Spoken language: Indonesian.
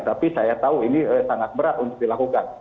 tapi saya tahu ini sangat berat untuk dilakukan